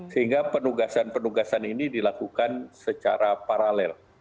sehingga penugasan penugasan ini dilakukan secara paralel